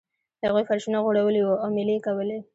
هغوی فرشونه غوړولي وو او میلې یې کولې.